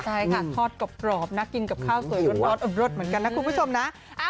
ใช่ค่ะทอดกรอบนะกินกับข้าวสวยร้อนอบรสเหมือนกันนะคุณผู้ชมนะ